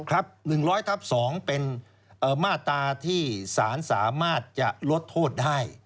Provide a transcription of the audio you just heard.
๑๐๐ทับ๒เป็นมาตราที่สารสามารถจะลดโทษได้